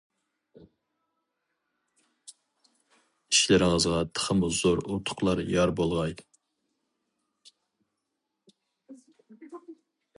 ئىشلىرىڭىزغا تېخىمۇ زور ئۇتۇقلار يار بولغاي!